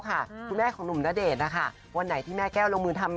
ตามมาได้ติดต้มยำไก่ใส่ใบมะขาบ